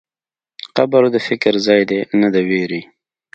قبر د فکر ځای دی، نه د وېرې.